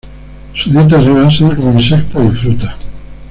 Su dieta se basa en insectos y frutas.